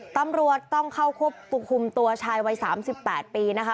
ตำรวจต้องเข้าควบคุมตัวชายวัย๓๘ปีนะคะ